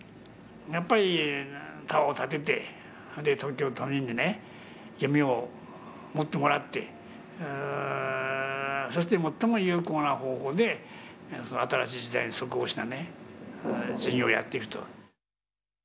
やっぱりタワーを建てて東京都民にね夢を持ってもらってそして最も有効な方法で新しい時代に即応したね事業をやっていくと。